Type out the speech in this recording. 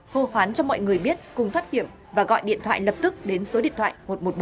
hô khoán cho mọi người biết cùng thoát hiểm và gọi điện thoại lập tức đến số điện thoại một trăm một mươi bốn